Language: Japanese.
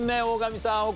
大神さん！